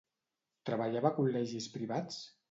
Treballava a col·legis privats?